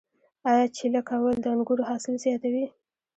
آیا چیله کول د انګورو حاصل زیاتوي؟